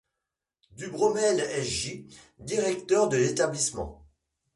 Dubromelle sj, directeur de l'établissement.